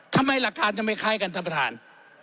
ทำไมหลักการจะไม่คล้ายกันท่านประธาน